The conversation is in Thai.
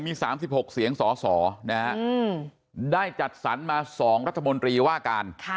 มีสามสิบหกเสียงส่อนะฮะอืมได้จัดสรรค์มาสองรัฐมนตรีว่าการค่ะ